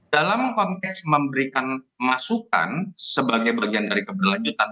dalam konteks memberikan masukan sebagai bagian dari keberlanjutan